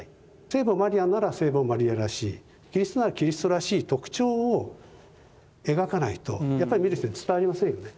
聖母マリアなら聖母マリアらしいキリストならキリストらしい特徴を描かないとやっぱり見る人に伝わりませんよね。